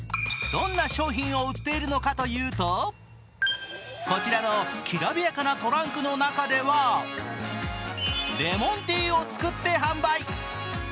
どんな商品を売っているのかというと、こちらのきらびやかなトランクの中ではレモンティーを作って販売。